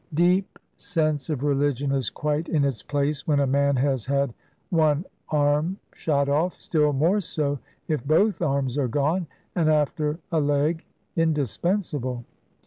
Deep sense of religion is quite in its place when a man has had one arm shot off, still more so if both arms are gone, and after a leg, indispensable.